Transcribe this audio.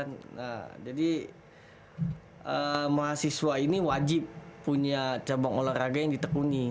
nah jadi mahasiswa ini wajib punya cabang olahraga yang ditekuni